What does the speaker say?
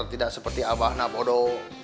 tidak seperti abah na bodo